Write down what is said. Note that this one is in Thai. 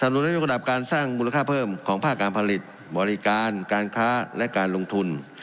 นุนยกระดับการสร้างมูลค่าเพิ่มของภาคการผลิตบริการการค้าและการลงทุน